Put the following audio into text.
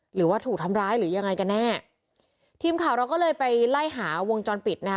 หรือว่าถูกทำร้ายหรือยังไงกันแน่ทีมข่าวเราก็เลยไปไล่หาวงจรปิดนะคะ